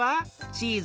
チーズ。